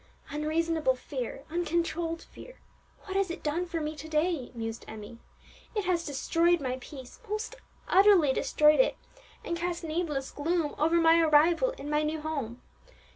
"Unreasonable fear, uncontrolled fear, what has it done for me to day?" mused Emmie. "It has destroyed my peace, most utterly destroyed it, and cast needless gloom over my arrival in my new home.